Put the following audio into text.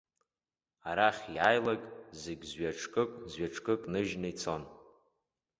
Арахь иааилак зегь зҩаҿкык-зҩаҿкык ныжьны ицон.